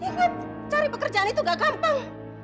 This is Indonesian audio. ingat cari pekerjaan itu gak gampang